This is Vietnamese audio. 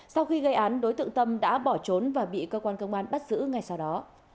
sau khi gây án đối tượng tâm đã bỏ trốn và bị cơ quan công an bắt giữ ngay sau đó